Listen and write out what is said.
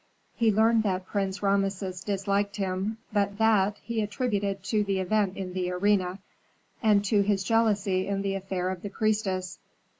He learned that Prince Rameses disliked him, but that he attributed to the event in the arena, and to his jealousy in the affair of the priestess.